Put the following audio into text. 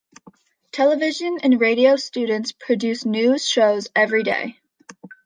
Television and radio students produce news shows every day.